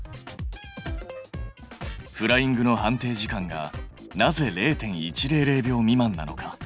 フライングの判定時間がなぜ０．１００秒未満なのか。